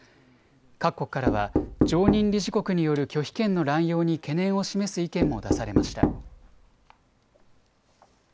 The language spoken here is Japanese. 各国からは常任理事国による拒否権の乱用に懸念を示す意見も出されました。